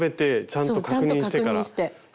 ちゃんと確認して。